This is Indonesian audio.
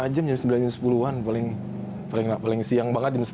empat lima jam jam sembilan sepuluh an paling siang banget jam sepuluh